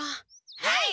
はい！